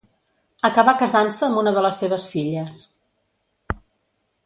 Acabà casant-se amb una de les seves filles.